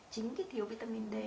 chính cái thiếu vitamin d